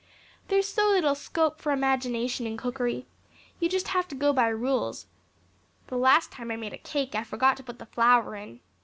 There's so little scope for imagination in cookery. You just have to go by rules. The last time I made a cake I forgot to put the flour in.